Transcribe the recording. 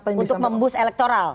untuk membus elektoral